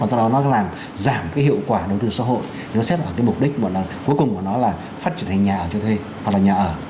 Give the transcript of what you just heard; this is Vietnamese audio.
do đó nó làm giảm cái hiệu quả đầu tư xã hội nó xếp vào cái mục đích cuối cùng của nó là phát triển thành nhà ở cho thuê hoặc là nhà ở